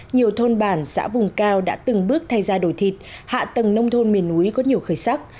nhiều thôn bản xã vùng cao đã từng bước thay ra đổi thịt hạ tầng nông thôn miền núi có nhiều khởi sắc